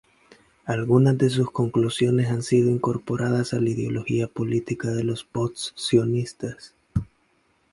Algunas de sus conclusiones han sido incorporadas a la ideología política de los post-sionistas.